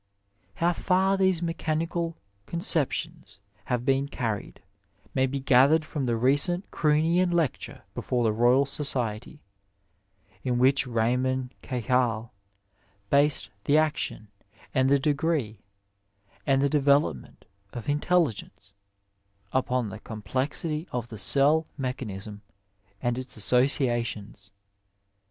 How far these mechan ical conceptions have been carried, may be gathered from the recent Croonian Lecture before the Royal Society, in which Itam6n y Cajal based the action and the degree, and the development of intelligence upon the complexity of the cell mechanism and its associations.